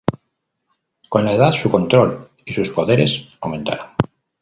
Con la edad, su control y sus poderes aumentaron.